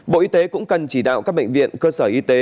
bộ y tế cũng cần chỉ đạo các bệnh viện cơ sở y tế